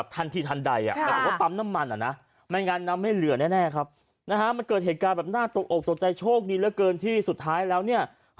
เติมอยู่มันพึ้บได้ยังไง